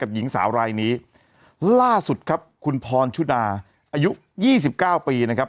หญิงสาวรายนี้ล่าสุดครับคุณพรชุดาอายุยี่สิบเก้าปีนะครับ